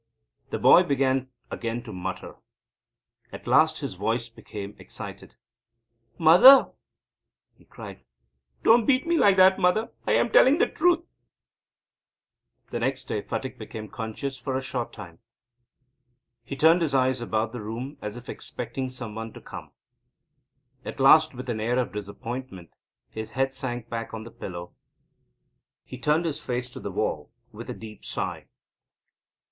The boy began again to mutter. At last his voice became excited: "Mother," he cried, "don't beat me like that! Mother! I am telling the truth!" The next day Phatik became conscious for a short time. He turned his eyes about the room, as if expecting some one to come. At last, with an air of disappointment, his head sank back on the pillow. He turned his face to the wall with a deep sigh.